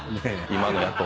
今のやと。